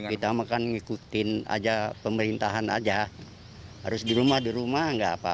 kita makan ngikutin aja pemerintahan aja harus di rumah di rumah